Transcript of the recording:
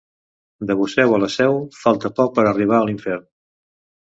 De Buseu a Useu, falta poc per arribar a l'infern.